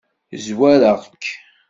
Zwareɣ-k.